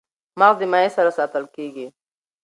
مغز د مایع سره ساتل کېږي.